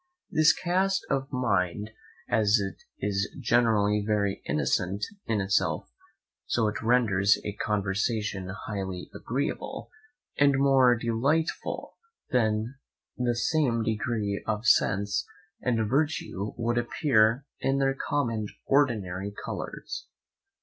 This cast of mind, as it is generally very innocent in itself, so it renders his conversation highly agreeable, and more delightful than the same degree of sense and virtue would appear in their common and ordinary colours.